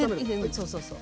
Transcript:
そうそうそう。